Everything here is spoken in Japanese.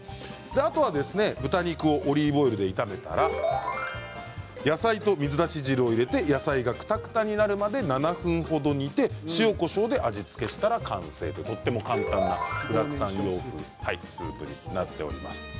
あとは豚肉をオリーブオイルで炒めたら野菜と、水だし汁を入れて野菜がくたくたになるまで７分程煮て、塩、こしょうで味付けしたら完成とっても簡単な具だくさん洋風スープになっております。